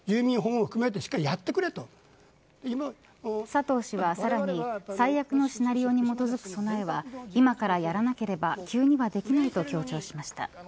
佐藤氏は、さらに最悪のシナリオに基づく備えは今からやなければ急にはできないと強調しました。